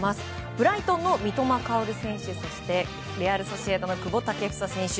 ブライトンの三笘薫選手そしてレアル・ソシエダの久保建英選手